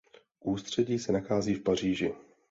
Ústředí se nachází v Paříži.